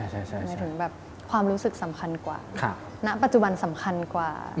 ใช่ความรู้สึกสำคัญกว่าณปัจจุบันสำคัญกว่า